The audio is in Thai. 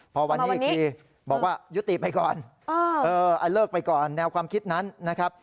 พอวันนี้อีกทีบอกว่ายุติไปก่อนเลิกไปก่อนแนวความคิดนั้นนะครับ